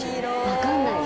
わかんない！